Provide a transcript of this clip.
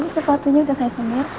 pak ini sepatunya udah saya semir